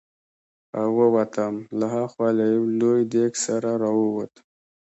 او ووتم، له ها خوا له یو لوی دېګ سره را ووت.